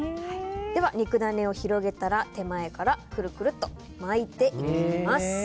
では肉ダネを広げたら手前からくるくると巻いていきます。